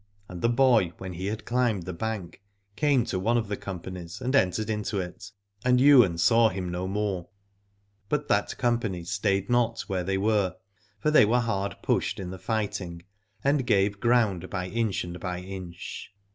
And the boy, when he had climbed the bank, came to one of the companies and entered into it, and Ywain saw him no more : but that company stayed not where they were, for they were hard pushed in the fighting, and gave ground by inch and by inch.